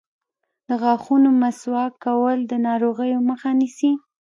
د غاښونو مسواک کول د ناروغیو مخه نیسي.